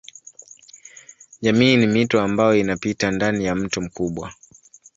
Jamii ni mito ambayo inapita ndani ya mto mkubwa.